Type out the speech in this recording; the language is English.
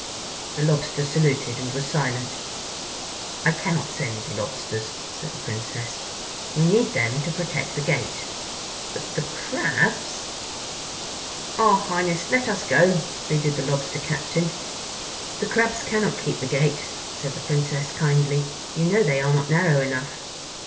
The Lobster saluted and was silent. "I cannot send the Lobsters," said the Princess, "we need them to protect the gate. But the Crabs—" "Ah, Highness, let us go," pleaded the Lobster Captain. "The Crabs cannot keep the gate," said the Princess kindly. "You know they are not narrow enough.